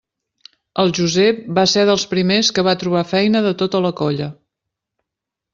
El Josep va ser dels primers que va trobar feina de tota la colla.